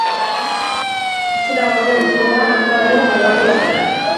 Sutea gauerdian piztu da, antza denez, berogailu batean.